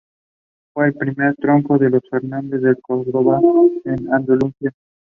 The paper continued running for years after she left England.